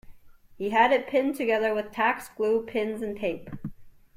He had pinned it together with tacks, glue, pins and tape.